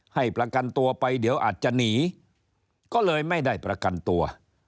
ให้ประกันตัวไปเดี๋ยวอาจจะหนีก็เลยไม่ได้ประกันตัว